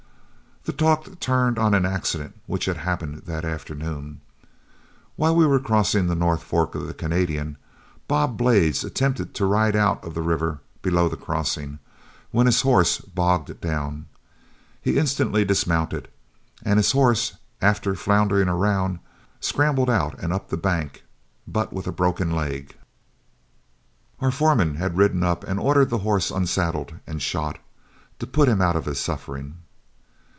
The talk turned on an accident which had happened that afternoon. While we were crossing the North Fork of the Canadian, Bob Blades attempted to ride out of the river below the crossing, when his horse bogged down. He instantly dismounted, and his horse after floundering around scrambled out and up the bank, but with a broken leg. Our foreman had ridden up and ordered the horse unsaddled and shot, to put him out of his suffering.